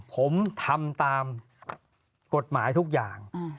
ผมทำตามกฎหมายทุกอย่าง